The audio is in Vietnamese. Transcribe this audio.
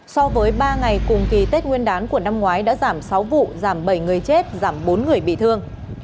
so với ba ngày cùng kỳ tết nguyên đán của năm ngoái đã giảm sáu vụ giảm bảy người chết giảm bốn người bị thương